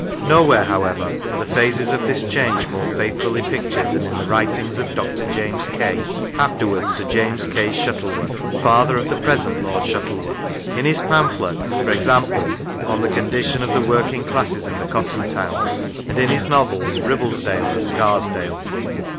Nowhere, however, are the phases of this change more faithfully pictured than in the writings of Dr. James Kay, afterwards Sir James Kay Shuttleworth, father of the present Lord Shuttle worth; in his pamphlet, e.g., on the condition of the working classes in the cotton towns, and in his novels " Ribblesdale," and " Scarsdale."